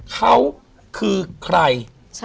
เขาคือใคร